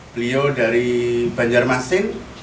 beliau dari banjarmasin